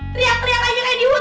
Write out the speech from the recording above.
teriak teriak aja kayak di mood